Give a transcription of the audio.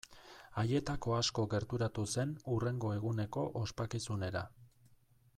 Haietako asko gerturatu zen hurrengo eguneko ospakizunera.